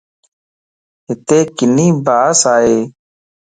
ھتي ڪِني ڀاسَ ئي.